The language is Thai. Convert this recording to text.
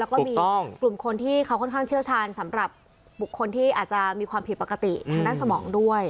แล้วก็มีกลุ่มคนที่เขาค่อนข้างเชี่ยวชาญสำหรับบุคคลที่อาจจะมีความผิดปกติทางด้านสมองด้วย